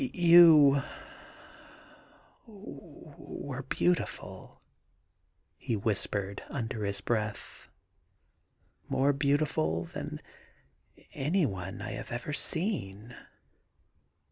* You were beautiful,' he whispered under his breath ;* more beautiful than any one I have ever seen.'